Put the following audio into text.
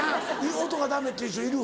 音がダメって人いる？